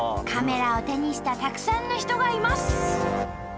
カメラを手にしたたくさんの人がいます！